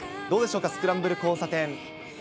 どうでしょうか、スクランブル交差点。